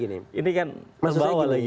ini kan membawa lagi ya ke sana